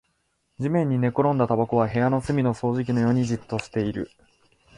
地面に寝転んだタバコは部屋の隅の掃除機のようにじっとしている